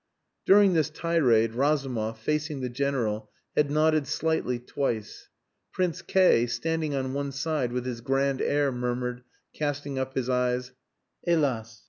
During this tirade Razumov, facing the General, had nodded slightly twice. Prince K , standing on one side with his grand air, murmured, casting up his eyes "_Helas!